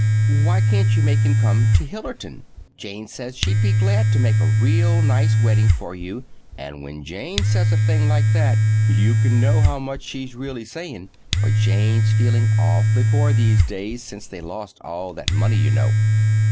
Why can't you make him come to Hillerton? Jane says she'd be glad to make a real nice wedding for you—and when Jane says a thing like that, you can know how much she's really saying, for Jane's feeling awfully poor these days, since they lost all that money, you know.